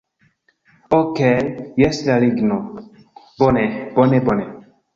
Okej' jes la ligno... bone, bone, bone